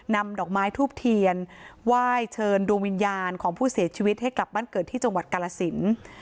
นำดอกไม้ทูบเทียนไหว้เชิญดวงวิญญาณของผู้เสียชีวิตให้กลับบ้านเกิดที่จังหวัดกาลสิน